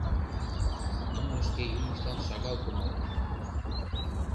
— Нуно шке юмыштлан шагал кумалыныт.